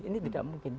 ini tidak mungkin